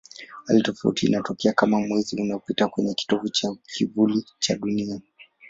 Hali ya tofauti inatokea kama Mwezi unapita kwenye kitovu cha kivuli cha Dunia.